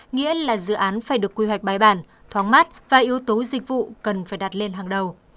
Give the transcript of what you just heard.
nghĩa là dự án phải được quy hoạch bài bản thoáng mát và yếu tố dịch vụ cần phải đặt lên hàng đầu